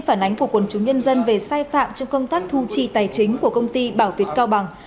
phản ánh của quân chủ nhân dân về sai phạm trong công tác thu trì tài chính của công ty bảo việt cao bằng